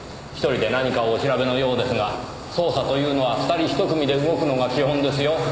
１人で何かをお調べのようですが捜査というのは２人１組で動くのが基本ですよ。